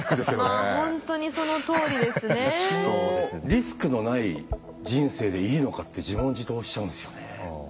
リスクのない人生でいいのかって自問自答しちゃうんですよね。